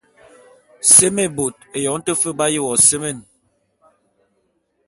Seme bot, eyong te fe b’aye wo seme.